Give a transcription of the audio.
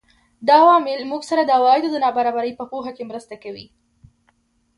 دا عوامل موږ سره د عوایدو د نابرابرۍ په پوهه کې مرسته کوي